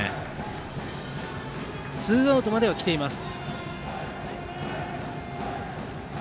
ツーアウトまではきています。